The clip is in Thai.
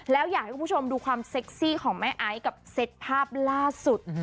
แล้วอยากให้คุณผู้ชมดูความเซ็กซี่ของแม่ไอซ์กับเซตภาพล่าสุด